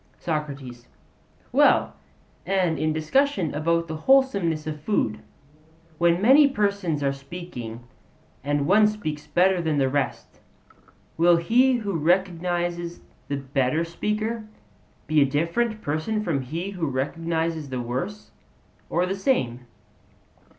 SOCRATES: Well, and in discussions about the wholesomeness of food, when many persons are speaking, and one speaks better than the rest, will he who recognizes the better speaker be a different person from him who recognizes the worse, or the same?